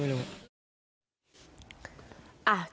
ไม่รู้อันนี้ไม่รู้